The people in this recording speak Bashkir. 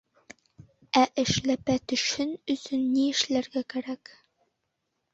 Ә эшләпә төшһөн өсөн ни эшләргә кәрәк?